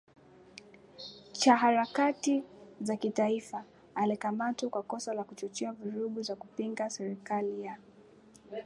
cha harakati za kitaifa alikamatwa kwa kosa la kuchochea vurugu za kupinga serikali ya